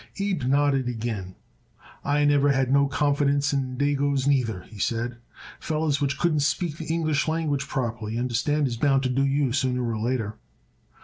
Abe nodded again. "I never had no confidence in dagoes neither," he said. "Fellers which couldn't speak the English language properly, y'understand, is bound to do you sooner or later."